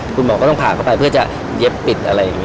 คุณหมอก็ต้องพาเขาไปเพื่อจะเย็บปิด